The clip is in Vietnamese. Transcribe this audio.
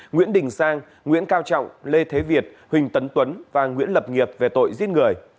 nguyễn đình sang nguyễn cao trọng lê thế việt huỳnh tấn tuấn và nguyễn lập nghiệp về tội giết người